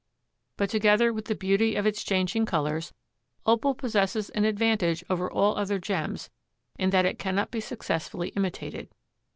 But together with the beauty of its changing colors Opal possesses an advantage over all other gems in that it cannot be successfully imitated.